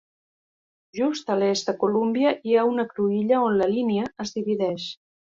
Just a l'est de Colúmbia hi ha una cruïlla on la línia es divideix.